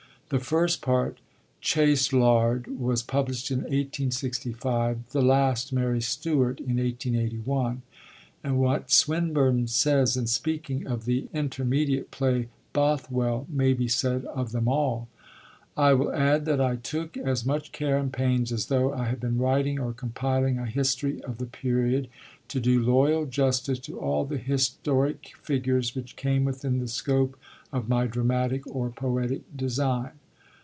The first part, Chastelard, was published in 1865; the last, Mary Stuart, in 1881. And what Swinburne says in speaking of the intermediate play, Bothwell, may be said of them all: 'I will add that I took as much care and pains as though I had been writing or compiling a history of the period to do loyal justice to all the historic figures which came within the scope of my dramatic or poetic design.'